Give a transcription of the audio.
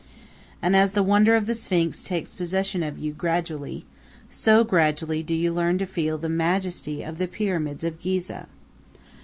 And as the wonder of the Sphinx takes possession of you gradually, so gradually do you learn to feel the majesty of the Pyramids of Ghizeh.